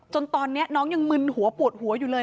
จนตอนนี้น้องยังมึนหัวปวดหัวอยู่เลย